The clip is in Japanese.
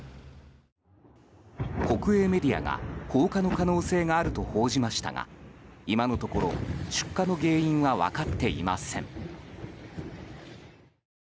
国営メディアが放火の可能性があると報じましたが今のところ、出火の原因は分かっていません。